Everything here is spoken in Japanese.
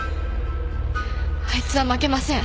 あいつは負けません。